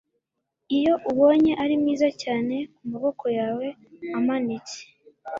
iyo ubonye ari mwiza cyane kumaboko yawe amanitse